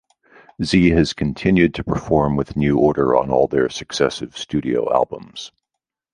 Zee has continued to perform with New Order on all their successive studio albums.